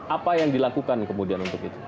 apa yang dilakukan kemudian untuk itu